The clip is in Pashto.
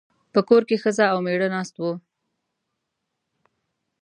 په کور کې ښځه او مېړه ناست وو.